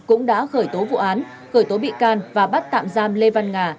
cũng đã khởi tố vụ án khởi tố bị can và bắt tạm giam lê văn nga